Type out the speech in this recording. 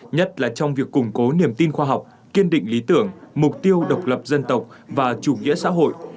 nhất là trong việc củng cố niềm tin khoa học kiên định lý tưởng mục tiêu độc lập dân tộc và chủ nghĩa xã hội